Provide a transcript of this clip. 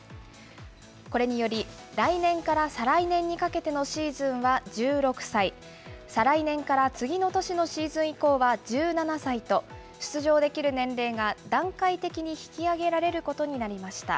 これにより、来年から再来年にかけてのシーズンは１６歳、再来年から次の年のシーズン以降は１７歳と、出場できる年齢が段階的に引き上げられることになりました。